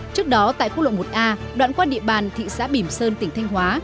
trước đó tại khu lộ một a đoạn qua địa bàn thị xã bìm sơn tỉnh thanh hóa